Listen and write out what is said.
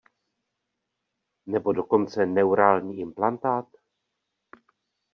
Nebo dokonce neurální implantát?